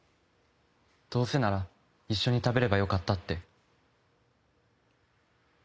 どうせなら一緒に食べればよかったって。